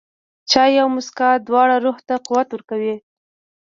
چای او موسکا، دواړه روح ته قوت ورکوي.